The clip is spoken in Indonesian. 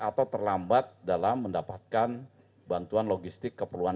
atau terlambat dalam mendapatkan bantuan logistik keperluan